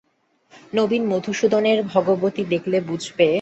নবীন মধুসূদনের ভাবগতিক দেখে বুঝলে মীটিঙে একটা অপঘাত ঘটেছে।